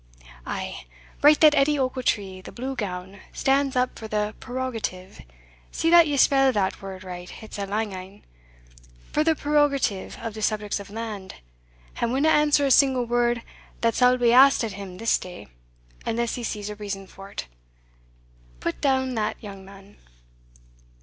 Ay write that Edie Ochiltree, the Blue Gown, stands up for the prerogative (see that ye spell that word right it's a lang ane) for the prerogative of the subjects of the land, and winna answer a single word that sall be asked at him this day, unless he sees a reason fort. Put down that, young man."